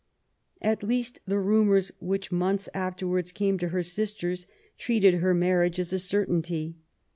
At least the rumours which months afterwards came to her sisters treated her marriage as a certainty.